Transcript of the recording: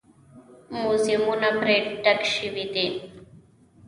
موزیمونه پرې ډک شوي دي.